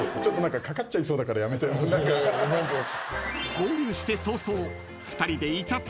［合流して早々］